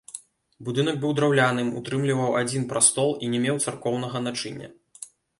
Будынак быў драўляным, утрымліваў адзін прастол і не меў царкоўнага начыння.